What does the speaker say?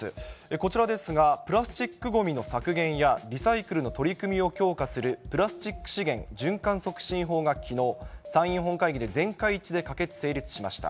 こちらですが、プラスチックごみの削減や、リサイクルの取り組みを強化するプラスチック資源循環促進法が、きのう、参院本会議で全会一致で可決・成立しました。